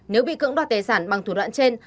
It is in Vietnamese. nếu bị cưỡng đoạt tài sản bằng thủ đoạn trên